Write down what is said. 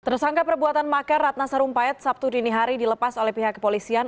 tersangka perbuatan makar ratna sarumpayat sabtu dinihari dilepas oleh pihak kepolisian